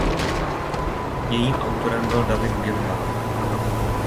Jejím autorem byl David Gilmour.